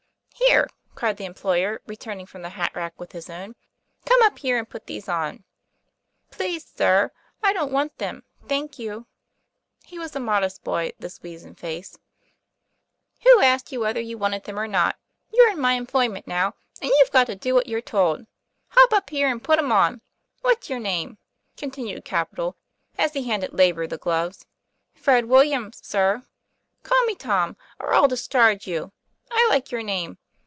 "Here, "cried the employer, returning from the hat rack with his own, " come up here and put these on.' "Please, sir, I don't want them, thank you." He was a modest boy, this weazen face. " Who asked you whether you wanted them or not ? You're in my employment now, and you've got to do what you're told. Hop up here and put 'em on. What's your name ?" continued Capital, as he handed Labor the gloves. "Fred Williams, sir." " Call me Tom, or I'll discharge you. I like your name.